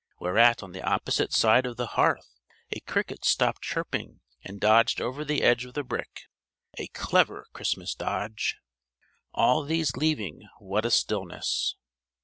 Whereat on the opposite side of the hearth a cricket stopped chirping and dodged over the edge of the brick a clever Christmas dodge! All these leaving what a stillness!